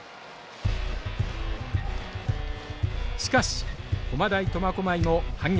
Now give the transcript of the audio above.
しかし駒大苫小牧も反撃。